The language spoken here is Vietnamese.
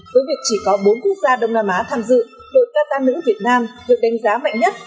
với việc chỉ có bốn quốc gia đông nam á tham dự đội qatar nữ việt nam được đánh giá mạnh nhất